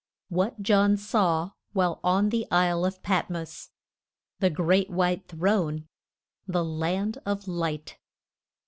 WHAT JOHN SAW WHILE ON THE ISLE OF PATMOS. THE GREAT WHITE THRONE. THE LAND OF LIGHT.